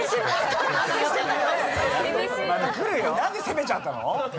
何で攻めちゃったの？